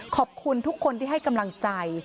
ขอบคุณทุกคนที่ให้กำลังใจ